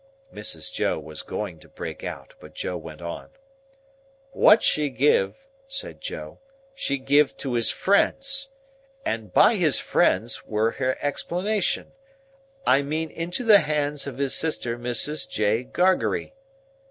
Mrs. Joe was going to break out, but Joe went on. "What she giv'," said Joe, "she giv' to his friends. 'And by his friends,' were her explanation, 'I mean into the hands of his sister Mrs. J. Gargery.